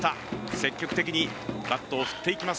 積極的にバットを振っていきます